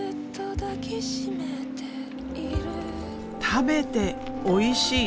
食べておいしい！